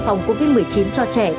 phòng covid một mươi chín cho trẻ